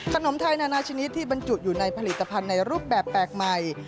ขนมไทยนานาชนิดที่บรรจุอยู่ในผลิตภัณฑ์ในรูปแบบแปลกใหม่